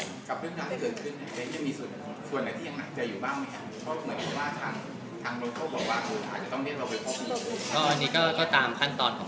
มีส่วนหลายที่ห้าจะอยู่บ้างมั้ยครับ